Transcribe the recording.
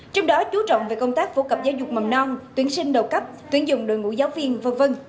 trong đó chú trọng về công tác phổ cập giáo dục mầm non tuyển sinh đầu cấp tuyển dụng đội ngũ giáo viên v v